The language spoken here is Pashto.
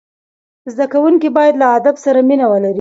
زدهکوونکي باید له ادب سره مینه ولري.